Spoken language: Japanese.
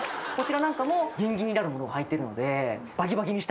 こちらなんかもギンギンになるものが入ってるので。